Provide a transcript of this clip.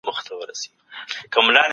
ځینې صحنې بېپایلې ښکاري.